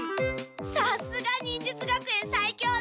さすが忍術学園さい強の。